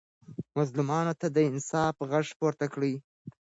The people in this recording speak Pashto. مظلومانو ته د انصاف غږ پورته کړئ.